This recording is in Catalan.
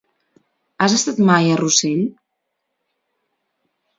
Has estat mai a Rossell?